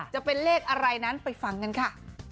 จะเป็นเลขอะไรนั้นไปฟังกันค่ะ